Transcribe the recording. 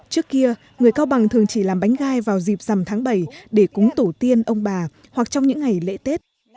trước kia người cao bằng thường chỉ làm bánh gai vào dịp dằm tháng bảy để cúng tổ tiên ông bà hoặc trong những ngày lễ tết